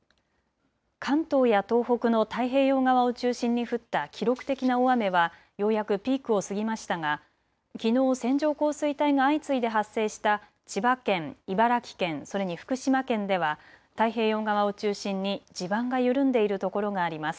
関東や東北の太平洋側を中心に降った記録的な大雨はようやくピークを過ぎましたがきのう線状降水帯が相次いで発生した千葉県、茨城県、それに福島県では太平洋側を中心に地盤が緩んでいる所があります。